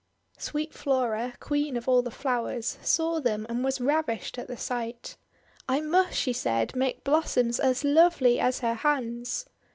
Sweet Flora, Queen of all the Flowers, saw them, and was ravished at the sight. 'I must," she said, <;<make blossoms as lovely as her hands."